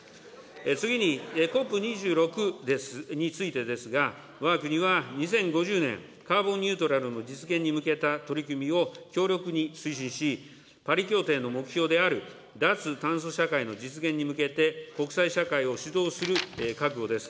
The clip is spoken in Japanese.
次に、ＣＯＰ２６についてですが、わが国は２０５０年、カーボンニュートラルの実現に向けた取り組みを強力に推進し、パリ協定の目標である脱炭素社会の実現に向けて、国際社会を主導する覚悟です。